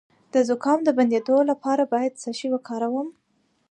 د زکام د بندیدو لپاره باید څه شی وکاروم؟